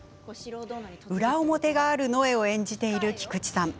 裏表があるのえを演じている菊地さん。